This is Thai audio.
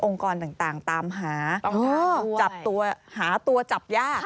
กรต่างตามหาจับตัวหาตัวจับยาก